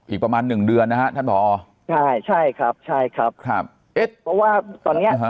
อีกประมาณหนึ่งเดือนนะฮะท่านผอใช่ใช่ครับใช่ครับครับเอ๊ะเพราะว่าตอนเนี้ย